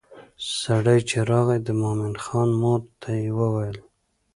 سړی چې راغی د مومن خان مور ته یې وویل.